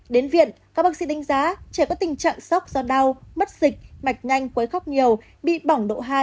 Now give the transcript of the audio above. đến viện các bác sĩ đánh giá trẻ có tình trạng sốc do đau mất dịch mạch nhanh quấy khóc nhiều bị bỏng độ hai